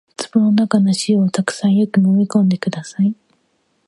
壺の中の塩をたくさんよくもみ込んでください